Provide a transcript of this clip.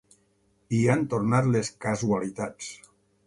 I han tornat les casualitats.